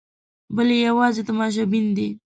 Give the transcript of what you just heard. بل یې یوازې تماشبین دی.